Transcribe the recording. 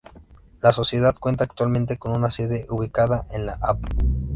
La sociedad cuenta actualmente con una sede ubicada en la Av.